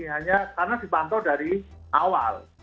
hanya karena dipantau dari awal